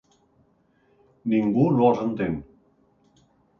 Ningú no els entén.